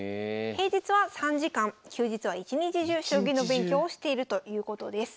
平日は３時間休日は一日中将棋の勉強をしているということです。